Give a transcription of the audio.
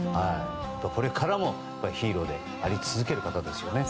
これからもヒーローであり続ける方ですよね。